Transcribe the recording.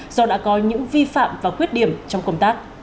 do đã có những vi phạm và khuyết điểm trong công tác